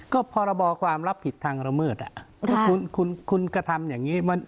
ก็พรบความรับผิดทางระเมิดถ้าคุณคุณกระทำอย่างนี้